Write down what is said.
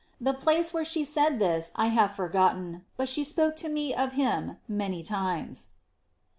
The place where she said this I have forgotten, but she spoke to me of him many times.